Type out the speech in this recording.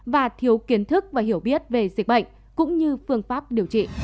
và thiếu kiến thức và hiểu biết về dịch bệnh cũng như phương pháp điều trị